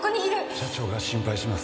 社長が心配します。